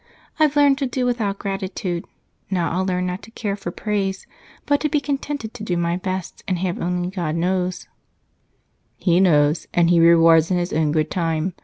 I've learned to do without gratitude now I'll learn not to care for praise, but to be contented to do my best, and have only God know." "He knows, and He rewards in His own good time.